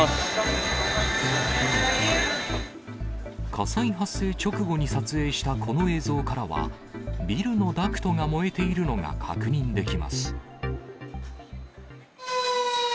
火災発生直後に撮影したこの映像からは、ビルのダクトが燃えているのが確認できます。